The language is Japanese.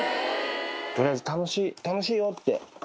とりあえず楽しいよって。